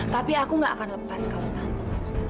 tapi aku gak akan lepas kalau tante